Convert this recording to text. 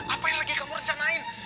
apa yang lagi kamu rencanain